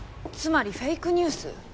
つまりフェイクニュース。